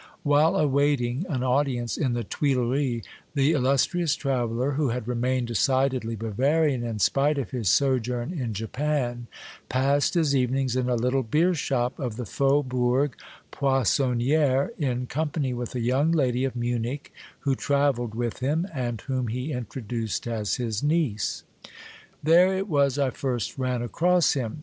While awaiting an audience in the Tuileries, the illustrious traveller, who had remained decidedly Bavarian in spite of his sojourn in Japan, passed his evenings in a little beer shop of the Faubourg Poissonniere, in com pany with a young lady of Munich who travelled with him, and whom he introduced as his niece. There it was I first ran across him.